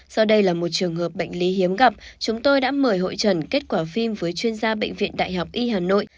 do đây là một trường hợp bệnh lý hiếm gặp chúng tôi đã mời hội trần kết quả phim với chuyên gia bệnh viện đại học y hà nội